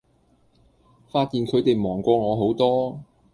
發現佢地忙過我好多